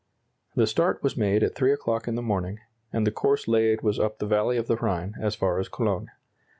The start was made at three o'clock in the morning, and the course laid was up the valley of the Rhine, as far as Cologne.